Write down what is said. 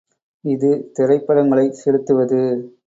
இது திரைப்படங்களைச் செலுத்துவது.